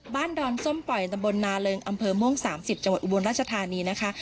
ดอนส้มปล่อยตำบลนาเริงอำเภอม่วง๓๐จังหวัดอุบลราชธานีนะคะ